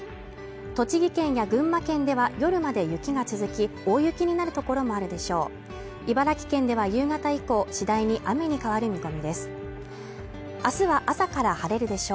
栃木県や群馬県では山で雪が続き大雪になる所もあるでしょう